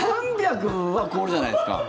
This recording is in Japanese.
３００はこうじゃないですか。